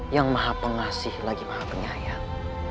yang maha pengasih lagi maha penyayang